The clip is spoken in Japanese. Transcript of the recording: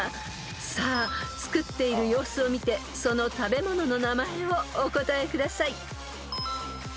［さあつくっている様子を見てその食べ物の名前をお答えください］